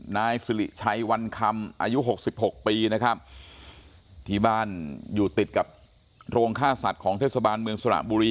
นายสิริชัยวันคำอายุหกสิบหกปีนะครับที่บ้านอยู่ติดกับโรงฆ่าสัตว์ของเทศบาลเมืองสระบุรี